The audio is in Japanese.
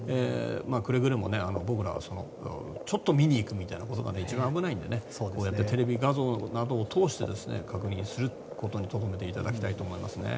くれぐれも、ちょっと見に行くみたいなことが一番危ないのでテレビ画像などを通して確認するにとどめていただきたいと思います。